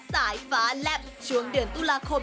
สายฟ้าแลบช่วงเดือนตุลาคม